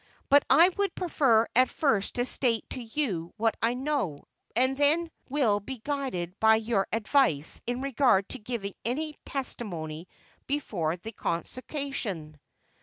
But I would prefer at first to state to you what I know, and then will be guided by your advice in regard to giving my testimony before the Consociation."